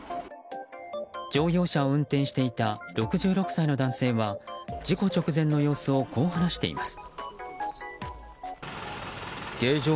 乗用車を運転していた６６歳の男性は事故直前の様子をこう話しています。